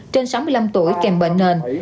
trên sáu mươi năm tuổi kèm bệnh nền